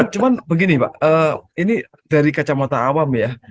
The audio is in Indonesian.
cuma begini pak ini dari kacamata awam ya